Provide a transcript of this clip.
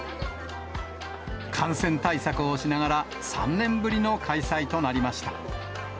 感染対策をしながら、３年ぶりの開催となりました。